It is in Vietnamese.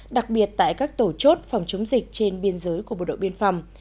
đặc biệt tại các tổ chốt phòng chống dịch trên biên giới của bộ đội biên phòng